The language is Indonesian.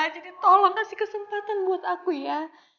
jadi tolong kasih kesempatan buat aku ya